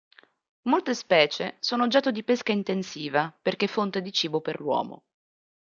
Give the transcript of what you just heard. Molte specie sono oggetto di pesca intensiva perché fonte di cibo per l'uomo.